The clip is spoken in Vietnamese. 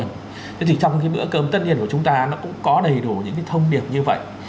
thế thì trong cái bữa cơm tất niên của chúng ta nó cũng có đầy đủ những cái thông điệp như vậy